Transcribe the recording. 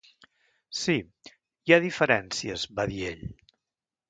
"Sí, hi ha diferències", va dir ell.